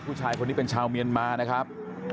ผู้ชายคนนี้เป็นชาวเมียนมานะครับ